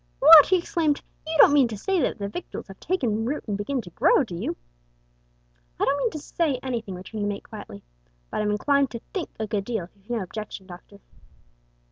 "What!" he exclaimed, "you don't mean to say that the victuals have taken root and begun to grow, do you?" "I don't mean to say anything," returned the mate quietly; "but I'm inclined to think a good deal if you've no objection, Doctor."